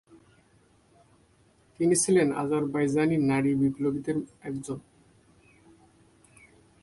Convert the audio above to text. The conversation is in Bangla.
তিনি প্রথম দিকের আজারবাইজানি নারী বিপ্লবীদের একজন ছিলেন।